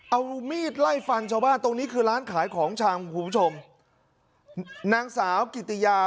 เอามีดไล่ฟันชาวบ้านตรงนี้คือร้านขายของชำคุณผู้ชมนางสาวกิติยา